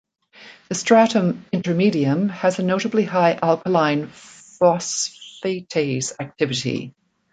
The stratum intermedium has a notably high alkaline phosphatase activity.